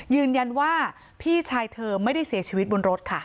ยืนยันว่าพี่ชายเธอไม่ได้เสียชีวิตบนรถค่ะ